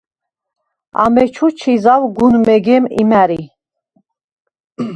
ამეჩუ ჩი ზავ გუნ მეგემ იმა̈რი.